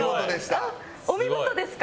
お見事ですか？